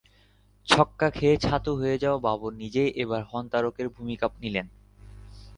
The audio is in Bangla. ছক্কা খেয়ে ছাতু হয়ে যাওয়া বাবর নিজেই এবার হন্তারকের ভূমিকা নিলেন।